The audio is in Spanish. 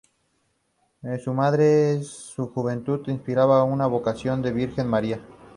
Su madre, en su juventud, le inspira una gran devoción a la Virgen María.